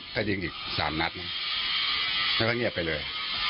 ถ้ายิงอีก๓นัดนะแล้วก็เงียบไปเลย